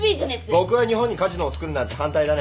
僕は日本にカジノを造るなんて反対だね。